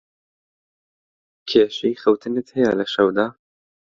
کێشەی خەوتنت هەیە لە شەودا؟